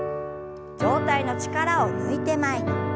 上体の力を抜いて前に。